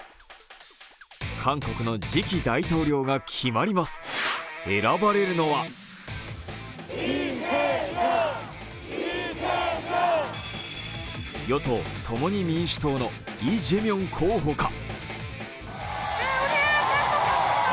韓国の次期大統領が決まります選ばれるのは与党、共に民主党のイ・ジェミョン候補か。